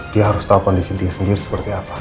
dia harus tahu kondisi dia sendiri seperti apa